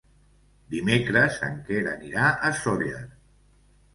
Dimecres en Quer anirà a Sóller.